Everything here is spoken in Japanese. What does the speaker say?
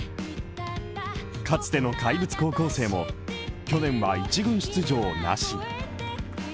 かつての怪物高校生も去年は１軍出場なし。